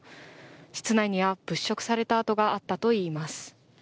室内には物色された跡があったといいます。